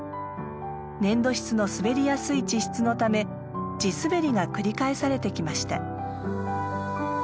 粘土質の滑りやすい地質のため地すべりが繰り返されてきました。